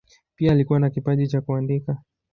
Pia alikuwa na kipaji cha kuandika.